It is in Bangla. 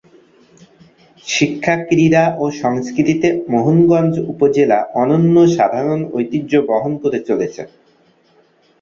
শিক্ষা, ক্রীড়া ও সংস্কৃতিতে মোহনগঞ্জ উপজেলা অনন্য সাধারণ ঐতিহ্য বহন করে চলেছে।